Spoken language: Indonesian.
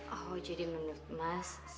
oh jadi menurut mas